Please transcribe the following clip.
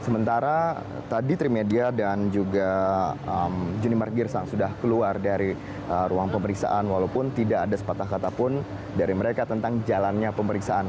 sementara tadi trimedia dan juga junimark girsang sudah keluar dari ruang pemeriksaan walaupun tidak ada sepatah kata pun dari mereka tentang jalannya pemeriksaan